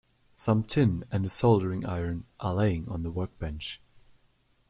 Some tin and a soldering iron are laying on the workbench.